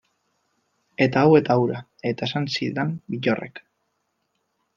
Eta hau eta hura, eta esan zidan Bittorrek.